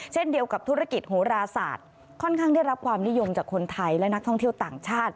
เช่นเดียวกับธุรกิจโหราศาสตร์ค่อนข้างได้รับความนิยมจากคนไทยและนักท่องเที่ยวต่างชาติ